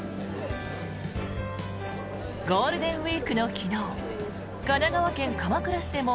ゴールデンウィークの昨日神奈川県鎌倉市でも